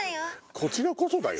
「こちらこそだよ」？